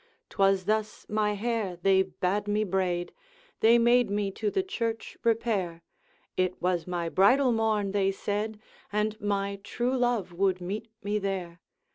'Twas thus my hair they bade me braid, They made me to the church repair; It was my bridal morn they said, And my true love would meet me there.